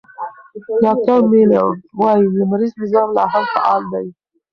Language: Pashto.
ډاکټر میلرډ وايي، لمریز نظام لا هم فعال دی.